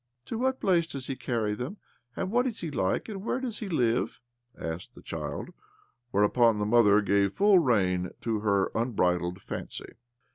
" To what place does he carry them, and what is he like, and where does he live?" asked the child ; whereupon the mother gave full rein to her unbridled fancy.